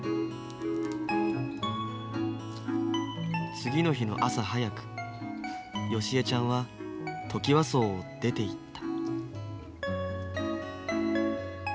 次の日の朝早く芳江ちゃんはトキワ荘を出ていった